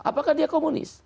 apakah dia komunis